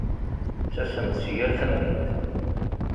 Ttasen-d si yal tamdint.